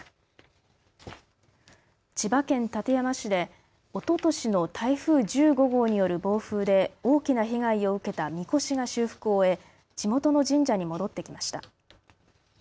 千葉県館山市でおととしの台風１５号による暴風で大きな被害を受けたみこしが修復を終え、地元の神社に戻ってきました。